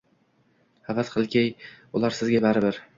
Havas qilgay ular sizga baribir